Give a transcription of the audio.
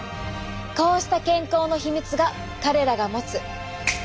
こうした健康のヒミツが彼らが持つ。